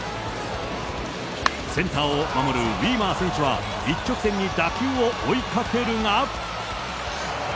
センターを守るウィーマー選手は一直線に打球を追いかけるが。